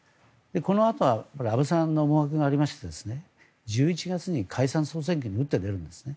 このあとは安倍さんの思惑がありまして１１月に解散総選挙に打って出るんです。